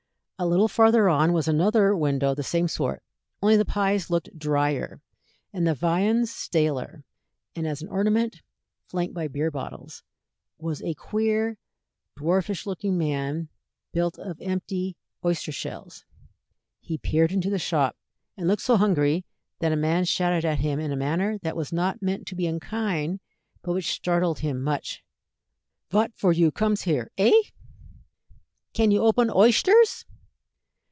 A little farther on was another window of the same sort, only the pies looked drier, and the viands staler; and as an ornament, flanked by beer bottles, was a queer, dwarfish looking man built of empty oyster shells. He peered into the shop, and looked so hungry, that a man shouted at him in a manner that was not meant to be unkind, but which startled him much: "Vat for you comes here, hey? Can you open oyshters?